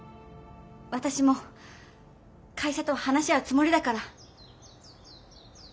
私も会社とは話し合うつもりだから。